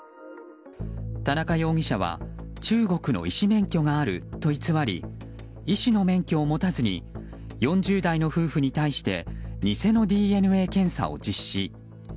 田中容疑者は中国の医師免許があると偽り医師の免許を持たずに４０代の夫婦に対して偽のＤＮＡ検査を実施。